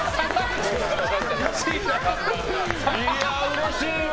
いや、うれしいわ。